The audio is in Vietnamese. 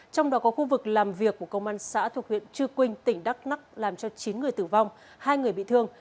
trong đó có khu vực làm việc của công an xã thuộc huyện chư quynh tỉnh đắk lắc làm cho chín người tử vong hai người bị thương